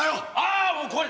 あもうこれ。